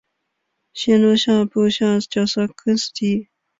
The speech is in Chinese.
谢禄命部下绞杀更始帝。